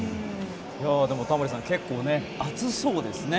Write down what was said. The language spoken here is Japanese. タモリさん結構暑そうですね。